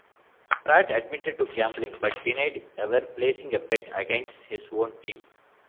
Pratt admitted to gambling but denied ever placing a bet against his own team.